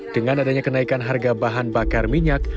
dengan adanya kenaikan harga bahan bakar minyak